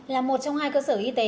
là một trong hai cơ sở y tế